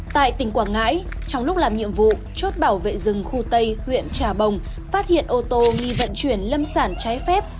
tại tỉnh quảng ngãi trong lúc làm nhiệm vụ chốt bảo vệ rừng khu tây huyện trà bồng phát hiện ô tô nghi vận chuyển lâm sản trái phép